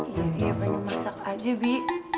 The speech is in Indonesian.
iya dia banyak masak aja bi